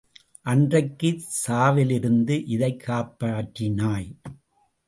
அன்றைக்கு சாவிலிருந்து இதைக் காப்பாற்றினாய்!